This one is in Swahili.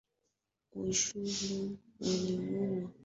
Oshogbo Ilorin Abeokuta Ogbomosho na Port Harcourt Tangu mnamo